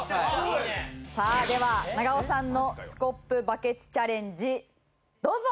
さあでは長尾さんのスコップバケツチャレンジどうぞ！